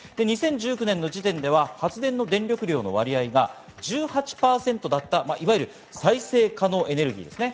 ２０１９年の時点では発電の電力量の割合が１８％だった、いわゆる再生可能エネルギーですね。